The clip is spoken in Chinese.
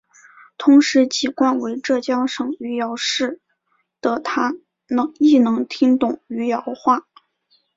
同时籍贯为浙江省余姚市的她亦能听懂余姚话。